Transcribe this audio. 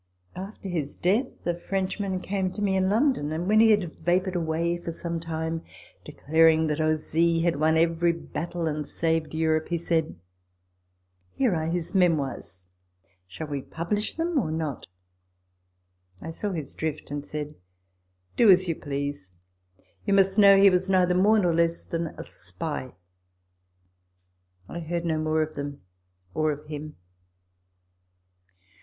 After his death a French man came to me in London, and, when he had vapoured away for some time, declaring that Ozille had won every battle and saved Europe, he said, " Here are his memoirs ; shall we publish them or not !" I saw his drift, and said, " Do as you please. You must know he was neither more nor less than a spy." I heard no more of them, or of him.